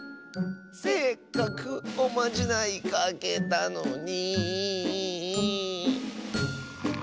せっかくおまじないかけたのに。